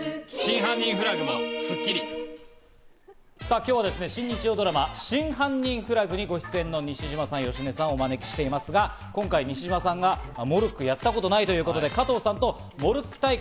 今日は新日曜ドラマ『真犯人フラグ』にご出演の西島さん、芳根さんをお招きしていますが、今回、西島さんがモルックをやったことがないということで、加藤さんとモルック対決。